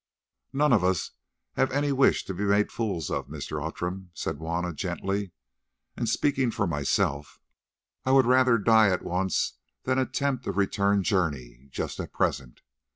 "None of us have any wish to be made fools of, Mr. Outram," said Juanna gently; "and, speaking for myself, I would far rather die at once than attempt a return journey just at present.